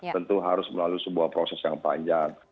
tentu harus melalui sebuah proses yang panjang